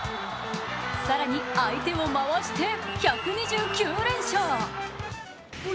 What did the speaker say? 更に相手を回して、１２９連勝。